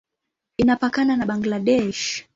Inapakana na Bangladesh.